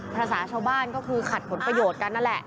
ภาษาชาวบ้านก็คือขัดผลประโยชน์กันนั่นแหละ